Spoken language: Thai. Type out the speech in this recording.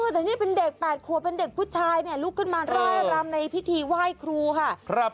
แต่นี่เป็นเด็ก๘ขวบเป็นเด็กผู้ชายเนี่ยลุกขึ้นมาร่ายรำในพิธีไหว้ครูค่ะ